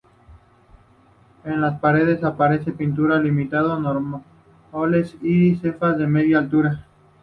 En las paredes aparecen pinturas imitando mármoles, y cenefas a media altura.